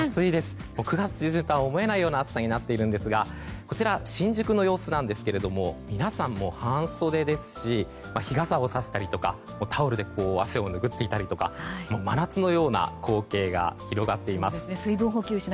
９月中旬とは思えないほどの暑さになっているんですがこちら新宿の様子ですが皆さん、半袖ですし日傘をさしたりとかタオルで汗をぬぐっていたりとか真夏のような光景が広がっています。